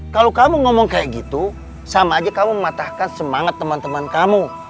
kalau kamu ngomong kayak gitu sama aja kamu mematahkan semangat teman teman kamu